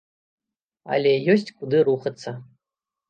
Але ёсць, куды рухацца.